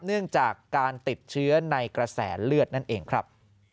เนื่องจากการติดเชื้อในกระแสเลือดนั่นเองครับ